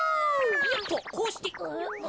よっとこうして。